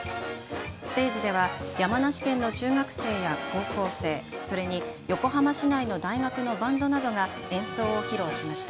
ステージでは山梨県の中学生や高校生、それに横浜市内の大学のバンドなどが演奏を披露しました。